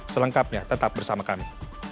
selengkapnya tetap bersama kami